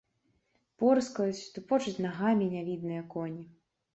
Порскаюць, тупочуць нагамі нявідныя коні.